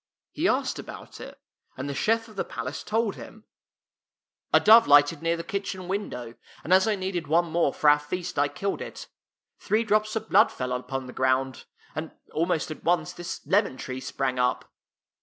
He asked about it, and the chef of the palace told him :" A dove lighted near the kitchen window, and as I needed one more for our feast, I killed it. Three drops of blood fell upon the ground, and almost at once this lemon tree sprang up."